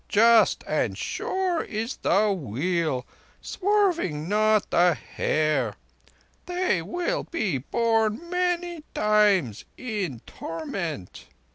Just and sure is the Wheel, swerving not a hair! They will be born many times—in torment."